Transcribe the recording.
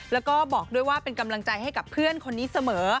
แล้วก็บอกด้วยว่าเป็นกำลังใจให้กับเพื่อนคนนี้เสมอ